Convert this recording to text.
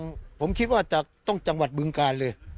ผมคิดว่าจะต้องจังหวัดบึงการเลย